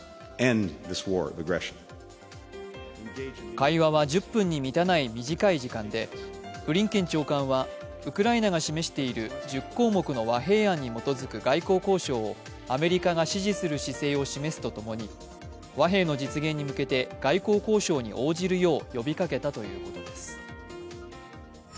会話は１０分に満たない短い時間でブリンケン長官はウクライナが示している１０項目の和平案に基づく外交交渉をアメリカが支持する姿勢を示すとともに和平の実現に向けて外交交渉に応じるよう呼びかけたということです。